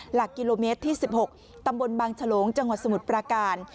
หลักกิโลเมตรที่๑๖ตำบลบางฉลงจังหวัดสมุทรปราการ